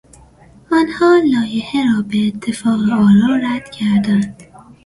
آنها لایحه را به اتفاق آرا رد کردند.